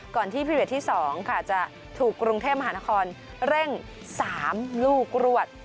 ก่อนที่พรีเวทที่๒ค่ะจะถูกกรุงเทพมหานครเร่ง๓ลูกรวด